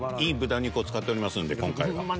いい豚肉を使っておりますんで今回は。